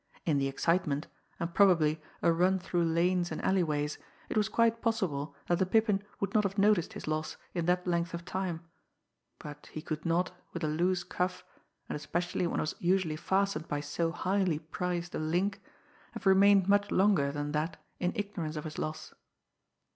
In the excitement, and probably a run through lanes and alleyways, it was quite possible that the Pippin would not have noticed his loss in that length of time; but he could not, with a loose cuff, and especially when it was usually fastened by so highly prized a link, have remained much longer than that in ignorance of his loss.